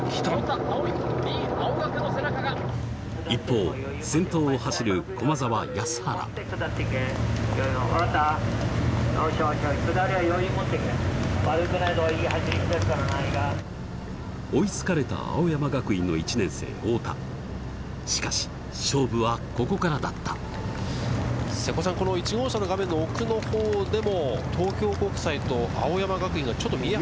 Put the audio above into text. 一方先頭を走る駒澤安原追い付かれた青山学院の１年生太田しかし勝負はここからだった瀬古さんこの１号車の画面の奥のほうでも東京国際と青山学院がちょっと。